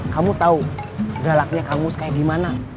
kamu tahu galaknya kang mus kayak gimana